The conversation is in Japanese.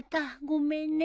ごめんね。